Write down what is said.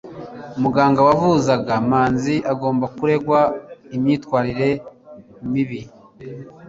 muganga wavuzaga manzi agomba kuregwa imyitwarire mibi